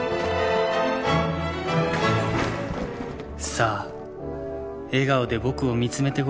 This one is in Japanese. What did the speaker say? さあ笑顔で僕を見詰めてごらん